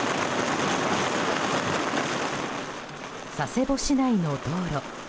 佐世保市内の道路。